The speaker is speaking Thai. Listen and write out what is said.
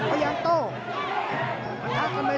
ก็อย่างโต๊ะ